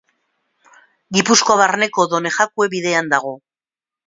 Gipuzkoa Barneko Donejakue bidean dago.